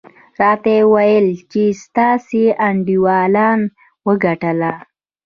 راته ویې ویل چې ستاسې انډیوالانو وګټله.